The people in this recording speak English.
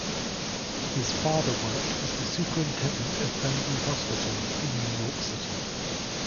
His father worked as the superintendent of Bellevue Hospital in New York City.